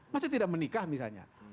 masih tidak menikah misalnya